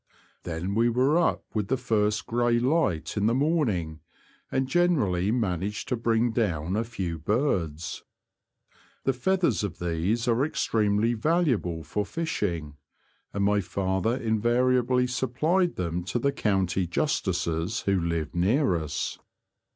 Then we were up with the first gray light in the morning, and generally managed to bring down a few birds. The feathers of these are extremely valuable for fishing, and my father invariably supplied them to the county justices who lived near us.